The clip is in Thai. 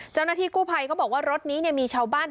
เจ้าหน้าที่กู้ภัยก็บอกว่ารถนี้มีชาวบ้าน